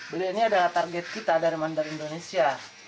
belinya adalah target kita dari mandar indonesia